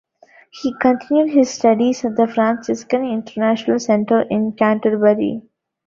He continued his studies at the Franciscan International Centre in Canterbury.